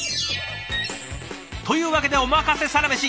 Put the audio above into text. というわけで「おまかせサラメシ」。